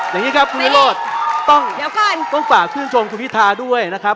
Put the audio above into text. อย่างนี้ครับต้องฝากชื่นชมคุณพิธาด้วยนะครับ